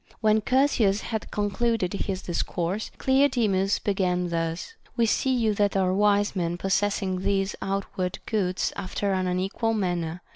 When Chersias had concluded this discourse, Cleodemus began thus : We see you that are wise men possessing these outward goods after an unequal manner.